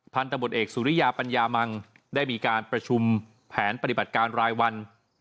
ตำรวจเอกสุริยาปัญญามังได้มีการประชุมแผนปฏิบัติการรายวัน